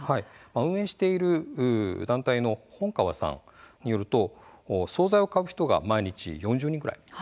運営している団体の本川さんによると総菜を買う人が毎日４０人ぐらい。